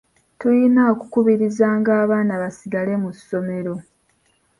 Tuyina okukubirizanga abaana basigale mu ssomero.